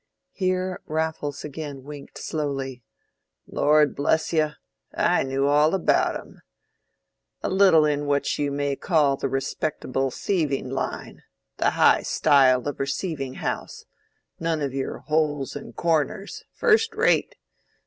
Here Raffles again winked slowly. "Lord bless you, I knew all about 'em—a little in what you may call the respectable thieving line—the high style of receiving house—none of your holes and corners—first rate.